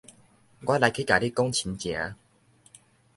我來去共你講親情